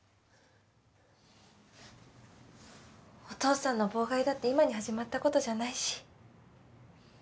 お父さんの妨害だって今に始まったことじゃないし。